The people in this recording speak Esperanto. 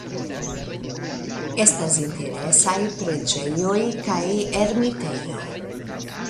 Estas interesaj preĝejoj kaj ermitejo.